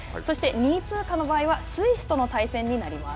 ２位通過の場合は、スイスとの対戦になります。